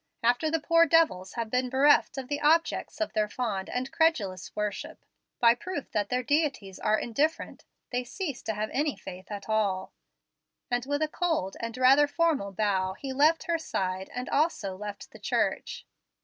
After the poor devils have been bereft of the objects of their fond and credulous worship, by proof that their deities are indifferent, they cease to have any faith at all"; and with a cold and rather formal bow he left her side and also left the church.